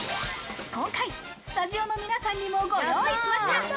今回、スタジオの皆さんにもご用意しました。